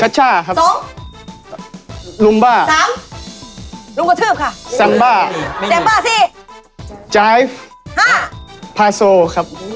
กระช่าครับ๒ลุมบ้า๓ลุมกระชืบค่ะซัมบ้า๔จายฟ๕พาโซครับ